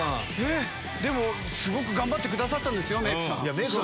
でもすごく頑張ってくださったメークさん。